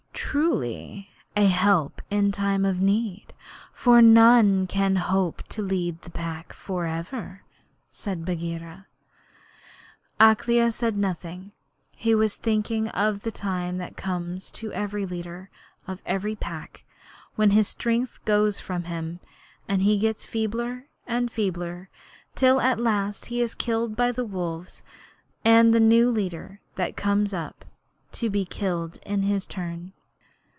'Truly, a help in time of need; for none can hope to lead the Pack for ever,' said Bagheera. Akela said nothing. He was thinking of the time that comes to every leader of every pack when his strength goes from him and he gets feebler and feebler, till at last he is killed by the wolves and a new leader comes up to be killed in his turn.